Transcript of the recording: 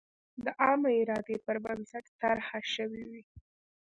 د عامه ارادې پر بنسټ طرحه شوې وي.